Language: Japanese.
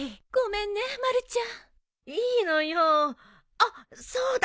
あっそうだ！